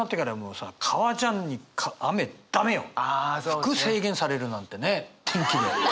服制限されるなんてね天気で！